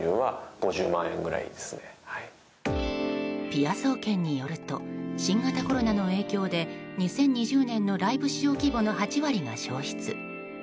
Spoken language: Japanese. ぴあ総研によると新型コロナの影響で２０２０年のライブ市場規模の８割が消失。